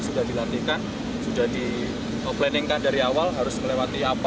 sudah dilatihkan sudah di planningkan dari awal harus melewati apa checkpointnya apa